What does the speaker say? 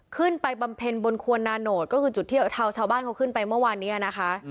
ขึ้นไปบำเพ็ญบนครัวนานโหดก็คือจุดที่เราเทาชาวบ้านเขาขึ้นไปเมื่อวานเนี่ยนะคะ